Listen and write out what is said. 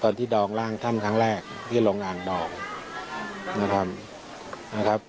ตอนที่ดองร่างท่านครั้งแรกที่ลงอ่างดองนะครับ